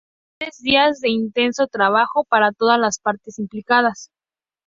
Fueron tres días de intenso trabajo para todas las partes implicadas.